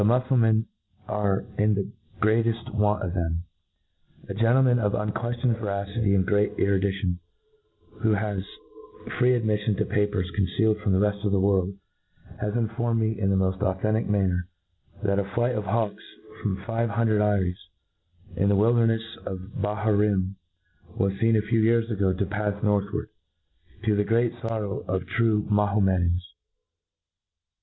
muflclmen are in the greateft want of them, A gentleman of unqueftioned veracity and great erudition, who has free admiffion to papers concealed frotn the reft of the world, has informed me, in the moft authentic manner, that a flight of hawks from five hundred eyries in the wildernefs of Baharim Was feen a few years ago to pafs north ward, to the great forrow of' true Mojfiamedans.